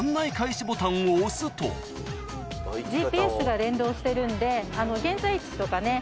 ＧＰＳが連動してるんで現在地とかね